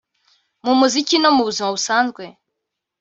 mu muziki no mu buzima busanzwe